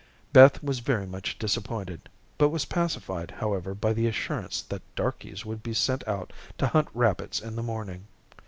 Beth was very much disappointed, but was pacified, however, by the assurance that darkies would be sent out to hunt rabbits in the morning.